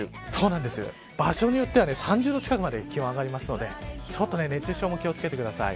場所によっては３０度近くまで気温が上がるのでちょっと熱中症も気を付けてください。